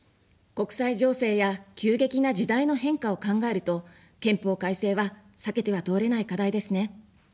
国際情勢や急激な時代の変化を考えると、憲法改正は避けては通れない課題ですね。